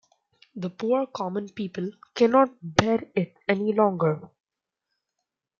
The poor common people cannot bear it any longer.